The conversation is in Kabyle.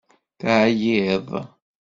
Teɛyiḍ.